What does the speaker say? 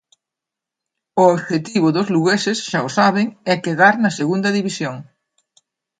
O obxectivo dos lugueses, xa o saben, é quedar na Segunda División.